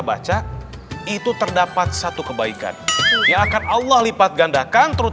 baca itu terdapat satu kebaikan